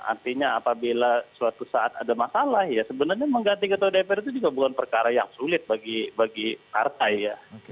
artinya apabila suatu saat ada masalah ya sebenarnya mengganti ketua dpr itu juga bukan perkara yang sulit bagi partai ya